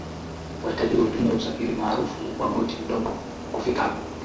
Watalii hutumia usafiri maarufu wa boti ndogo kufika hapo